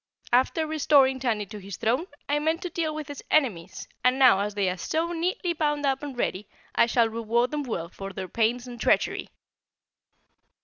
After restoring Tandy to his throne, I meant to deal with his enemies, and now as they are so neatly bound up and ready, I shall reward them well for their pains and treachery."